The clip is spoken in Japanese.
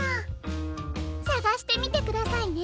さがしてみてくださいね。